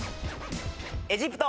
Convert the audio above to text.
エジプト。